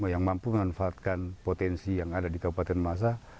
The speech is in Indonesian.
yang mampu memanfaatkan potensi yang ada di kabupaten masa